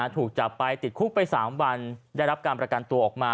ถูกจับไปติดคุกไป๓วันได้รับการประกันตัวออกมา